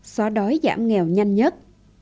xóa đói giảm nghèo nhanh nhất